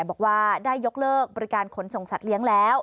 บอกว่าได้ยกเลิกบริการขนส่งสัตว์เลี้ยงแล้ว